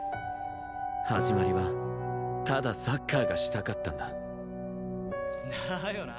始まりはただサッカーがしたかったんだだよな。